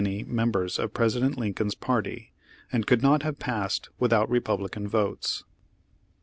Page Forty six members of President Lincoln's party, and could not have passed without Republican votes.